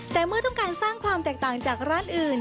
แต่เมื่อต้องการสร้างความแตกต่างจากร้านอื่น